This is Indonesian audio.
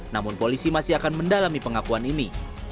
namun polisi masih akan mendalami pengakuan ini